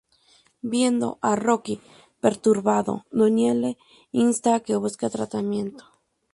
Viendo a Rocky perturbado, Donnie le insta a que busque tratamiento.